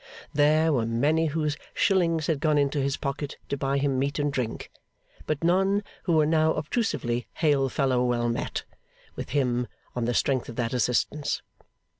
There, were many whose shillings had gone into his pocket to buy him meat and drink; but none who were now obtrusively Hail fellow well met! with him, on the strength of that assistance.